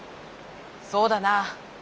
「そうだな。